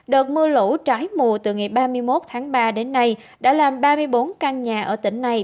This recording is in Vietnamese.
đợt mưa lũ trái mùa từ ngày ba mươi một tháng ba đến nay đã làm ba mươi bốn căn nhà ở tỉnh này